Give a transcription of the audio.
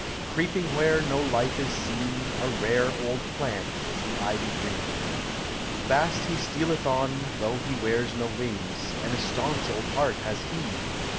Creeping where no life is seen. A rare old phinl is the Ivy green. Fast he stealeth on, though he wears DO win And a staunch old heart has he!